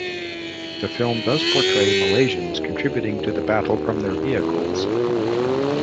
The film does portray Malaysians contributing to the battle from their vehicles.